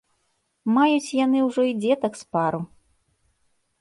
Маюць яны ўжо і дзетак з пару.